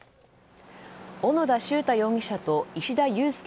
小野田秀太容疑者と石田悠介